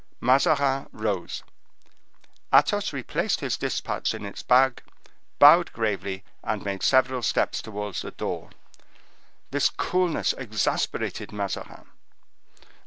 Mazarin rose. Athos replaced his dispatch in its bag, bowed gravely, and made several steps towards the door. This coolness exasperated Mazarin.